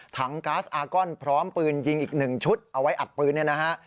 ก๊าซอากอนพร้อมปืนยิงอีก๑ชุดเอาไว้อัดปืนเนี่ยนะฮะ